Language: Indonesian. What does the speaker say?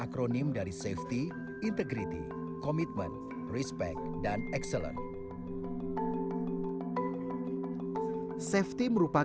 ketika kita berada di luar tanah